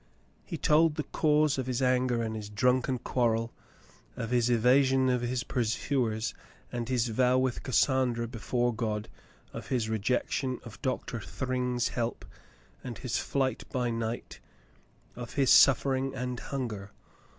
He told of the cause of his anger and his drunken quar rel, of his evasion of his pursuers and his vow with Cas sandra before God, of his rejection of Doctor Thryng's help and his flight by night, of his suffering and hunger.